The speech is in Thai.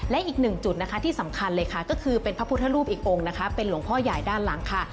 และอีกหนึ่งจุดนะคะที่สำคัญเลยค่ะก็คือเป็นพระพุทธรูปอีกองค์นะคะเป็นหลวงพ่อใหญ่ด้านหลังค่ะ